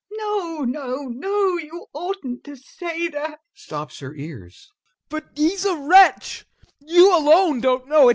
No, no, no, you oughtn't to say that! [Stops her ears.] TROFIMOV. But he's a wretch, you alone don't know it!